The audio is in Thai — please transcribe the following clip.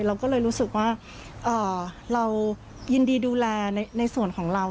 เราก็เลยรู้สึกว่าเรายินดีดูแลในส่วนของเรา